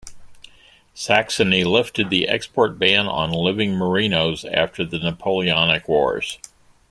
Saxony lifted the export ban on living Merinos after the Napoleonic wars.